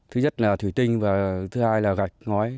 thứ nhất là thủy tinh và thứ hai là gạch ngói